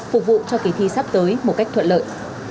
phục vụ cho kỳ thi sắp tới một cách thuận lợi